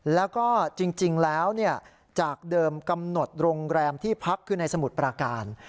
แล้วก็จริงแล้วจากเดิมกำหนดโรงแรมที่พักคือในสมุทรปราการ